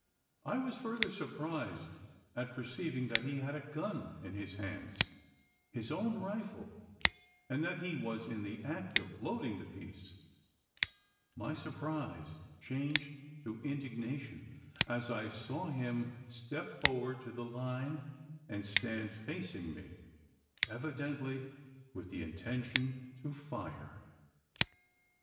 I was further surprised at perceiving that he had a gun in his hands his own rifle and that he was in the act of loading the piece! My surprise changed to indignation as I saw him step forward to the line, and stand facing me evidently with the intention to fire!